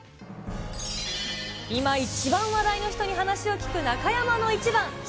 今一番話題の人に話を聞く、中山のイチバン。